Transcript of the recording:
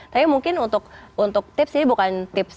tapi mungkin untuk tips ini bukan tips